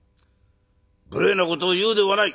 無礼なことを言うではない」。